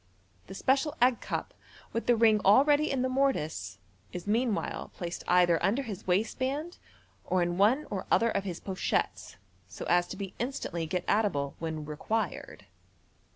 The special egg cup, with the ring already in the mortice, is meanwhile placed either under his waistband, or in one or other of his pochettes, so as to be in stantly get at able when required.